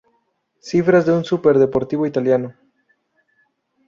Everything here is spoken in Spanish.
Cifras de un súper deportivo italiano.